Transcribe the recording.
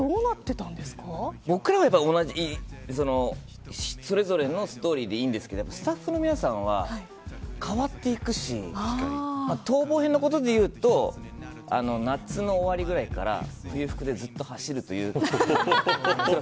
僕らはそれぞれのストーリーでいいんですけどスタッフの皆さんは変わっていくし逃亡編のことで言うと夏の終わりぐらいから冬服でずっと走るという。